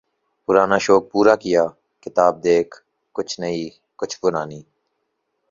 پرانا شوق پورا کیا ، کتاب دیکھ ، کچھ نئی ، کچھ و پرانی